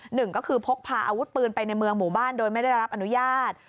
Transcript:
หนึ่งก็คือพกพาอาวุธปืนไปในเมืองหมู่บ้านโดยไม่ได้รับอนุญาต